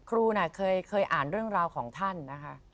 ครูเคยอ่านเรื่องราวของท่านนะคะ